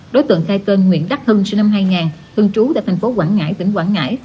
đối tượng khai tên nguyễn đắc hưng sinh năm hai nghìn hưng trú tại thành phố quảng ngãi tỉnh quảng ngãi